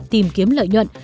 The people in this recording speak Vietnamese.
tìm kiếm lợi nhuận